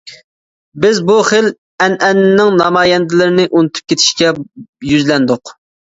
بىز بۇ خىل ئەنئەنىنىڭ نامايەندىلىرىنى ئۇنتۇپ كېتىشكە يۈزلەندۇق.